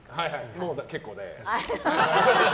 もう結構です。